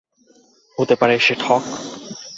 হতে পারে সে ঠগ?